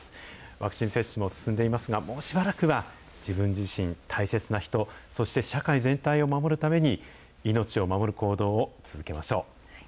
ワクチン接種も進んでいますが、もうしばらくは自分自身、大切な人、そして社会全体を守るために、命を守る行動を続けましょう。